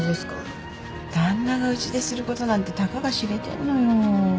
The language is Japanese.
旦那がうちですることなんて高が知れてんのよ